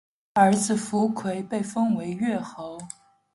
儿子苻馗被封为越侯。